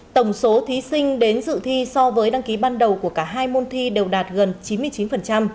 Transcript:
tổng số thí sinh đến dự thi so với đăng ký ban đầu của cả hai môn thi đều đạt gần chín mươi chín